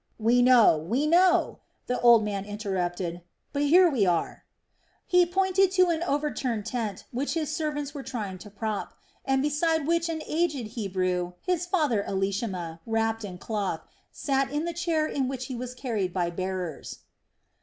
"We know, we know," the old man interrupted, "but here we are." He pointed to an overturned tent which his servants were trying to prop, and beside which an aged Hebrew, his father Elishama, wrapped in cloth, sat in the chair in which he was carried by bearers.